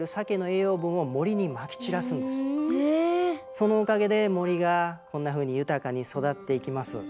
そのおかげで森がこんなふうに豊かに育っていきます。